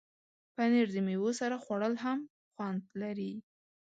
پنېر د میوو سره خوړل هم خوند لري.